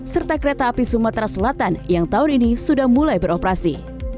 serta kereta api sumatera selatan yang tahun ini sudah mulai beroperasi